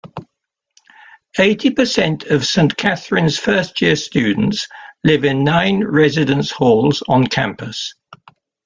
Eighty percent of Saint Catherine's first-year students live in nine residence halls on campus.